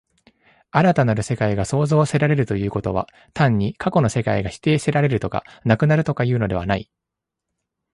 新たなる世界が創造せられるということは、単に過去の世界が否定せられるとか、なくなるとかいうのではない。